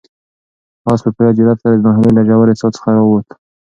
آس په پوره جرئت سره د ناهیلۍ له ژورې څاه څخه راووت.